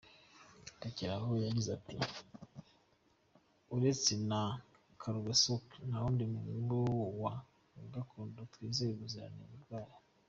Rekeraho yagize ati ”Uretse na Kargazok nta wundi muti wa gakondo twizeye ubuziranenge bwawo.